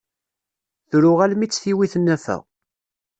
Tru almi tt-tiwi tnafa.